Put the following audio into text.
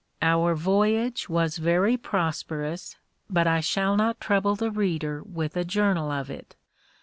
Our voyage was very prosperous, but I shall not trouble the reader with a journal of it.